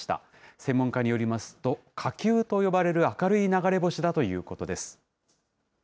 専門家によりますと、火球と呼ばれる明るい流れ星だということです。